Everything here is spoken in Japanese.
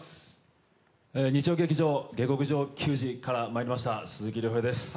日曜劇場「下剋上球児」からまいりました鈴木亮平です。